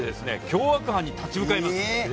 凶悪犯に立ち向かいます